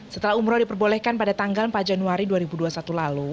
setelah umroh diperbolehkan pada tanggal empat januari dua ribu dua puluh satu lalu